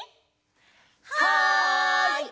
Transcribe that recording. はい！